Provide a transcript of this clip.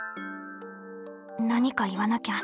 何か言わなきゃ。